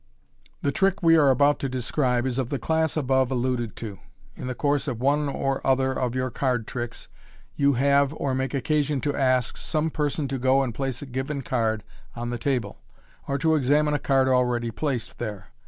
The trick we are about to describe is of the class above alluded to. In the course of one or other of your card tricks, you have or make occasion to ask some person to go and p'ace a given card on the table, or to examine a card already placed there.